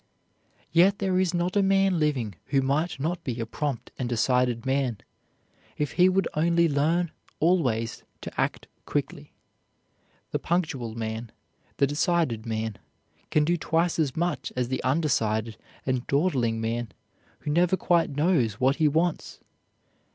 Yet there is not a man living who might not be a prompt and decided man if he would only learn always to act quickly. The punctual man, the decided man, can do twice as much as the undecided and dawdling man who never quite knows what he wants.